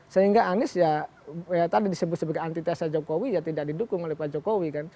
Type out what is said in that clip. sehingga anis ya tanda disebut sebagai anti tesa jokowi tidak didukung oleh pak jokowi